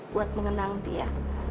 buat mengenang dia